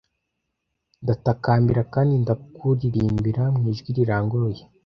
ndatakambira kandi ndakuririmbira mu ijwi riranguruye